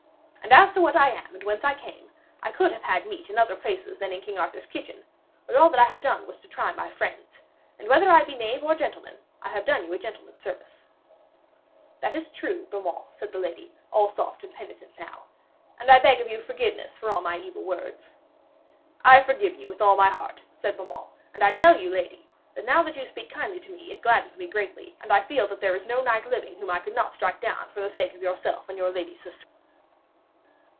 And as to what I am and whence I came, I could have had meat in other places than in King Arthur's kitchen, but all that I have done was to try my friends. And whether I be knave or gentleman, I have done you gentleman's service.' 'That is truth, Sir Beaumains,' said the lady, all soft and penitent now, 'and I beg of you forgiveness for all my evil words.' 'I forgive ye with all my heart,' said Sir Beaumains, 'and I tell you, lady, that now that you speak kindly to me, it gladdens me greatly, and I feel that there is no knight living whom I could not strike down for the sake of yourself and your lady sister.'